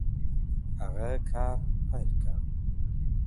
هغه کار پیل کړ